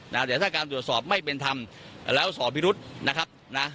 แต่ถ้าการตรวจสอบไม่เป็นธรรมแล้วสอบพิรุษนะครับนะ